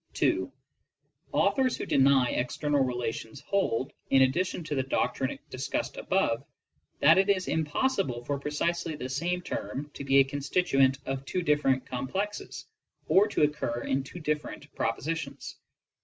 2. Authors who deny external relations hold, in addition to the doctrine discussed above, that it is impossible for precisely the same term to be a constituent of two different complexes, or to occur in two different propositions.